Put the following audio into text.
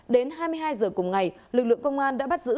đến hai mươi hai giờ cùng ngày lực lượng công an đã bắt giữ